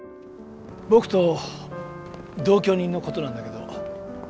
僕と同居人のことなんだけど。